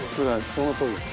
そのとおりです。